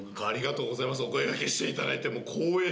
お声がけしていただいて。